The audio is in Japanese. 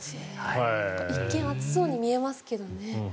一見、暑そうに見えますけどね。